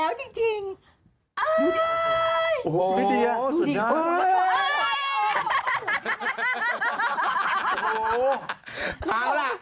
เราต้องลงคุณกับรายการค่ะ